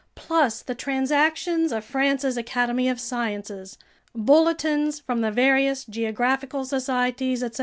plus the transactions of France's Academy of Sciences, bulletins from the various geographical societies, etc.